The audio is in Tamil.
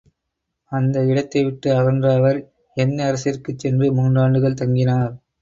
அந்த இடத்தை விட்டு அகன்ற அவர், யென் அரசிற்குச் சென்று மூன்றாண்டுகள் தங்கினார்.